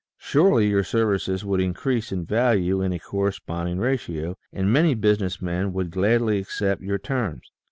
Surely your services would increase in value in a corresponding ratio, and many business men would gladly accept your terms.